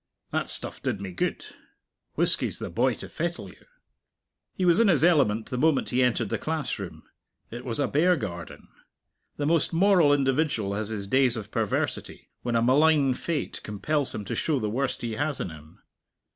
"That stuff did me good. Whisky's the boy to fettle you." He was in his element the moment he entered the classroom. It was a bear garden. The most moral individual has his days of perversity when a malign fate compels him to show the worst he has in him.